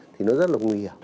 thì nó rất là nguy hiểm